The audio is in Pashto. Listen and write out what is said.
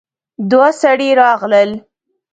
دوه سړي راغلل.